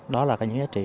đó là cái giá trị